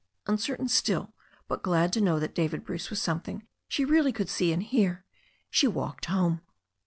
Uncertain still, but glad to know that David Bruce was something she really could see and hear, she walked home.